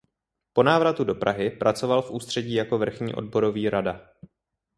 Po návratu do Prahy pracoval v ústředí jako vrchní odborový rada.